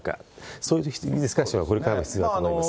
そういうディスカッションはこれからも必要だと思います。